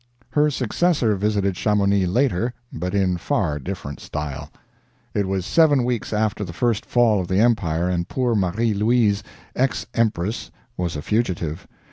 Her successor visited Chamonix later, but in far different style. It was seven weeks after the first fall of the Empire, and poor Marie Louise, ex Empress was a fugitive.